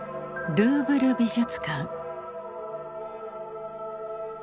ルーブル美術館。